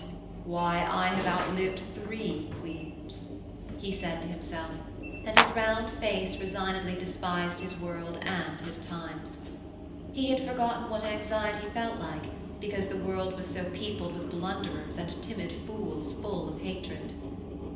'Why, I have outlived three queens,' he said to himself, and his round face resignedly despised his world and his times. He had forgotten what anxiety felt like because the world was so peopled with blunderers and timid fools full of hatred.